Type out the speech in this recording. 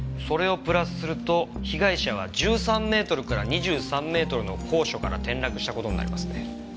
それをプラスすると被害者は１３メートルから２３メートルの高所から転落した事になりますね。